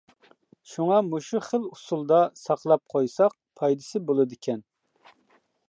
شۇڭا مۇشۇ خىل ئۇسۇلدا ساقلاپ قويساق پايدىسى بولىدىكەن.